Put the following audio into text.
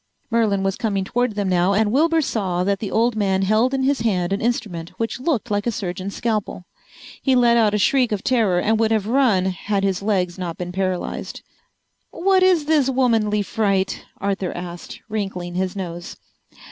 Merlin was coming toward them now and Wilbur saw that the old man held in his hand an instrument which looked like a surgeon's scalpel. He let out a shriek of terror and would have run had his legs not been paralyzed. "What is this womanly fright?" Arthur asked, wrinkling his nose.